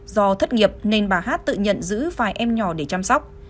do thất nghiệp nên bà hát tự nhận giữ vài em nhỏ để chăm sóc